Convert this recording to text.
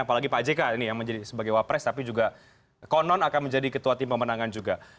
apalagi pak jk ini yang menjadi sebagai wapres tapi juga konon akan menjadi ketua tim pemenangan juga